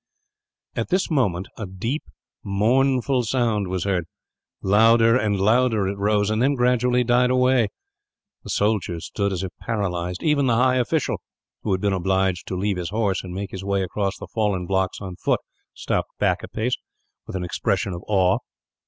At this moment a deep, mournful sound was heard. Louder and louder it rose, and then gradually died away. The soldiers stood as if paralysed. Even the high official who had been obliged to leave his horse, and make his way across the fallen blocks on foot stepped back a pace, with an expression of awe.